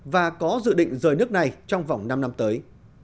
và có dự định rời nước này trong vòng năm năm tới